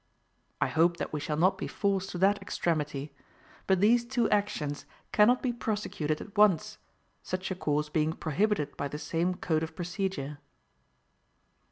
I hope that we shall not be forced to that extremity; but these two actions cannot be prosecuted at once, such a course being prohibited by the same code of procedure.